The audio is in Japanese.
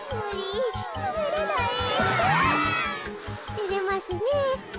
てれますねえ。